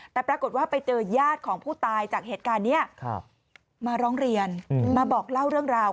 แต่ปรากฏว่าไปเจอญาติของผู้ตายจากเหตุการณ์นี้มาร้องเรียนมาบอกเล่าเรื่องราว